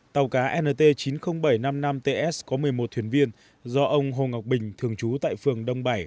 tàu cá nt chín mươi nghìn bảy trăm năm mươi năm ts có một mươi một thuyền viên do ông hồ ngọc bình thường trú tại phường đông bảy